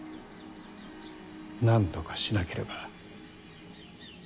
なんとかしなければ。